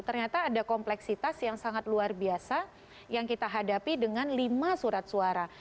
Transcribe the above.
ternyata ada kompleksitas yang sangat luar biasa yang kita hadapi dengan lima surat suara